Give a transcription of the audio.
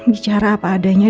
bicara apa adanya